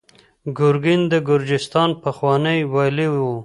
ګورګین د ګرجستان پخوانی والي و.